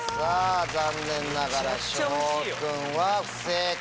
残念ながら紫耀君は不正解。